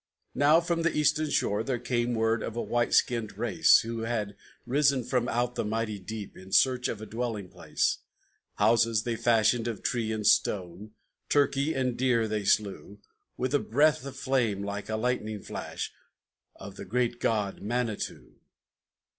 Now from the Eastern Shore there came Word of a white skinned race Who had risen from out the mighty deep In search of a dwelling place. Houses they fashioned of tree and stone, Turkey and deer they slew With a breath of flame like the lightning flash Of the great God, Manitu.